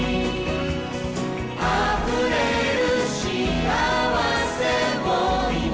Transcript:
「あふれる幸せを祈るよ」